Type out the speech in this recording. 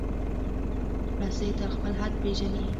رسۍ تل خپل حد پېژني.